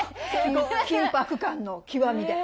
緊迫感の極みで。